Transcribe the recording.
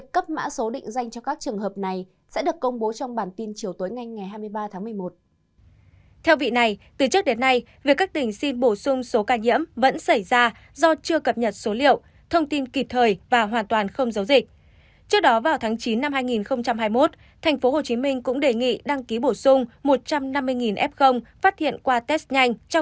năm hai nghìn hai mươi một tp hcm cũng đề nghị đăng ký bổ sung một trăm năm mươi f phát hiện qua test nhanh trong thời gian cao điểm dịch